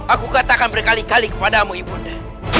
aku katakan berkali kali kepadamu ibunda